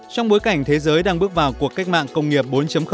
trong bối cảnh thế giới đang bước vào cuộc cách mạng công nghiệp bốn